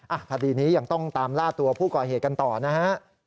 คดีนี้ยังต้องตามล่าตัวผู้ก่อเหตุกันต่อนะฮะ